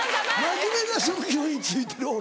真面目な職業に就いてる俺。